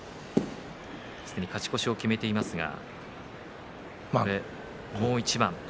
すでに勝ち越しを決めていますがもう一番。